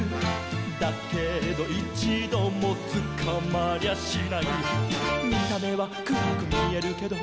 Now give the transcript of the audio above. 「だけどいちどもつかまりゃしない」「見た目はくらくみえるけど」